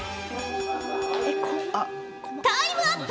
タイムアップ